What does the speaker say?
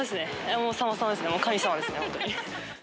もう様様ですね、神様ですね、本当に。